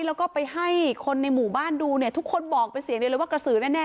แล้วก็ไปให้คนในหมู่บ้านดูเนี่ยทุกคนบอกเป็นเสียงเดียวเลยว่ากระสือแน่